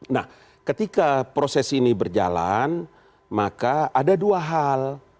nah ketika proses ini berjalan maka ada dua hal